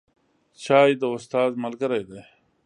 چای د استاد ملګری دی